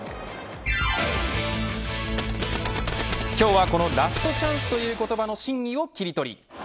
今日はこのラストチャンスという言葉の真意をキリトリ。